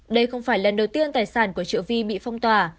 đây không phải lần đầu tiên tài sản của triệu vi bị phong tỏa